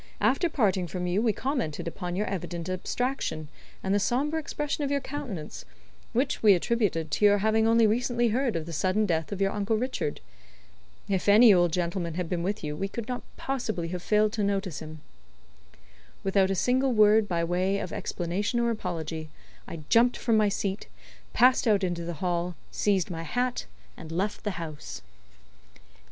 After parting from you we commented upon your evident abstraction, and the sombre expression of your countenance, which we attributed to your having only recently heard of the sudden death of your Uncle Richard. If any old gentleman had been with you we could not possibly have failed to notice him." Without a single word by way of explanation or apology, I jumped from my seat, passed out into the hall, seized my hat, and left the house.